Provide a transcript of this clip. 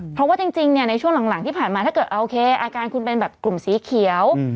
เพราะว่าจริงในช่วงหลังที่ผ่านมาถ้าเกิดโอเคอาการคุณเป็นแบบกลุ่มสีเขียว